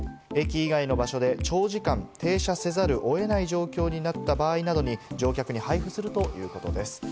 駅以外の場所で長時間停車せざるを得ない状況になった場合などに乗客に配布するということです。